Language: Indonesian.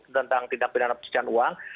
tentang tidak bina dapur uang